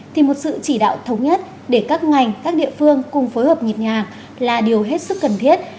thì một sự chỉ đạo thống nhất để các ngành các địa phương cùng phối hợp nhịp nhàng là điều hết sức cần thiết